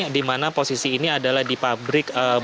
dimana posisi ini adalah di pabrik beras hajar